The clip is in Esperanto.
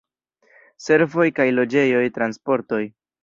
Servoj kaj loĝejoj, transportoj.